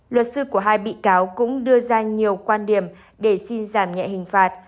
luật sư của hai bị cáo cũng đưa ra nhiều quan điểm để xin giảm nhẹ hình phạt